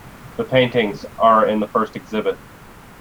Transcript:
The paintings are in the first exhibit.